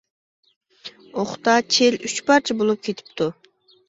ئوقتا چىل ئۈچ پارچە بولۇپ كېتىپتۇ.